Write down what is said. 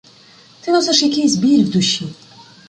Ти носиш якийсь біль в душі.